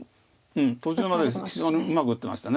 途中まで非常にうまく打ってました。